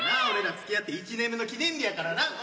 俺らつきあって１年目の記念日やからな。